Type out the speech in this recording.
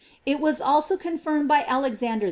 It was also confirmed by Alexander V.